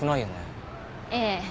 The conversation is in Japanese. ええ。